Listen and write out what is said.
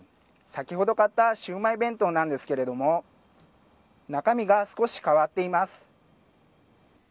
先ほど買ったシウマイ弁当なんですが中身が少し変わっています。